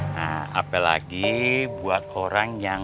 nah apa lagi buat orang yang